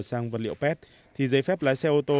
sang vật liệu pet thì giấy phép lái xe ô tô